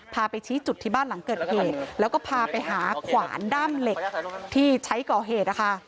พาไปชี้จุดที่บ้านหลังเกิดเหตุแล้วก็พาไปหาขวานด้ามเหล็กที่ใช้ก่อเหตุนะคะ